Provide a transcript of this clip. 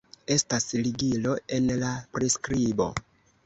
Estas ligilo en la priskribo